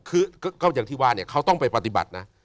ก็อย่างที่ว่าเขาต้องไปปฏิบัตินะ